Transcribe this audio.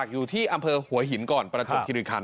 อยู่ที่อำเภอหัวหินก่อนประถุพิธุขันต์